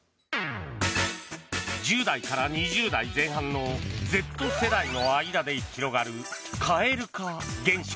１０代から２０代前半のＺ世代の間で広がる蛙化現象。